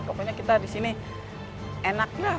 pokoknya kita di sini enak lah